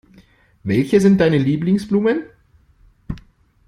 Welche sind deine Lieblingsblumen?